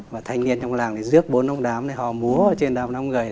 và thanh niên trong làng này dước bốn ông đám họ múa trên đám nông gầy